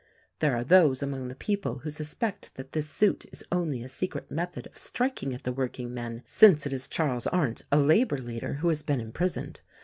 There are those among the people who suspect that this suit is only a secret method of striking at the workingmen, since it is Charles Arndt, a labor leader, who has been imprisoned.